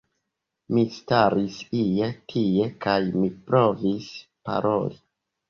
Mi staris ie tie kaj mi provis paroli